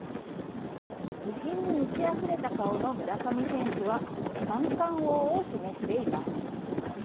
自信に満ちあふれた顔の村上宗隆選手は三冠王を示しています。